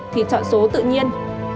thì chọn số tự nhiên